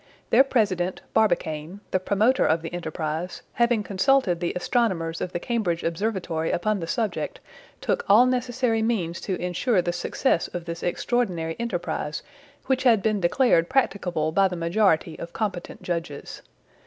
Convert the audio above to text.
Their president, Barbicane, the promoter of the enterprise, having consulted the astronomers of the Cambridge Observatory upon the subject, took all necessary means to ensure the success of this extraordinary enterprise, which had been declared practicable by the majority of competent judges.